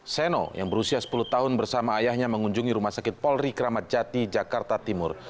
seno yang berusia sepuluh tahun bersama ayahnya mengunjungi rumah sakit polri kramat jati jakarta timur